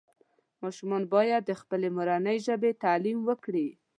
ماشومان باید پخپلې مورنۍ ژبې تعلیم وکړي